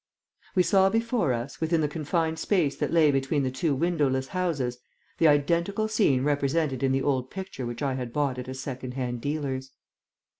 We saw before us, within the confined space that lay between the two windowless houses, the identical scene represented in the old picture which I had bought at a second hand dealer's!